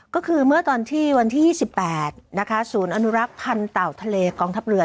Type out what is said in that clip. ก็คือเมื่อตอนที่วันที่๒๘นะคะศูนย์อนุรักษ์พันธ์เต่าทะเลกองทัพเรือ